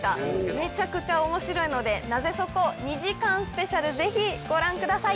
めちゃくちゃおもしろいので『ナゼそこ？２時間スペシャル』ぜひご覧ください。